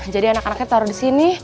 jadi anak anaknya taruh di sini